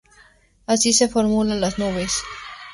Así se forman las nubes.